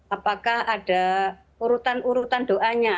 apakah ada urutan urutan doanya